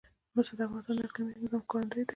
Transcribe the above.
مس د افغانستان د اقلیمي نظام ښکارندوی ده.